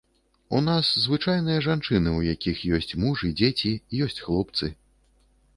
У нас звычайныя жанчыны, у якіх ёсць муж і дзеці, есць хлопцы.